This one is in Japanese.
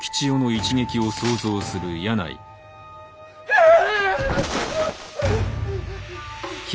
うわ！